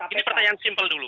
ini pertanyaan simpel dulu